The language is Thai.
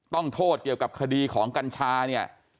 โทษเกี่ยวกับคดีของกัญชาเนี่ย